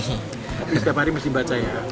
tapi setiap hari mesti baca ya